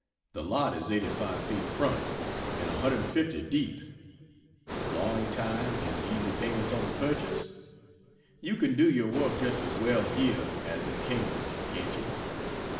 The lot is 85 feet front and 150 deep long time and easy payments on the purchase? You can do your work just as well here as in Cambridge, can't you?